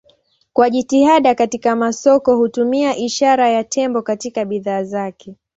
Kwa jitihada katika masoko hutumia ishara ya tembo katika bidhaa zake.